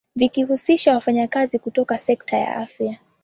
vikihusisha wafanyakazi kutoka sekta za afya